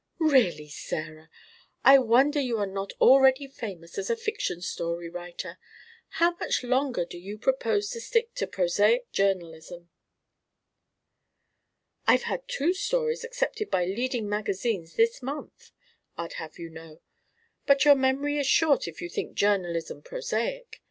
"Really, Sarah, I wonder you are not already famous as a fiction story writer. How much longer do you propose to stick to prosaic journalism?" "I've had two stories accepted by leading magazines this month, I'd have you know; but your memory is short if you think journalism prosaic.